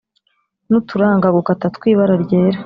n'uturanga gukata tw'ibara ryera.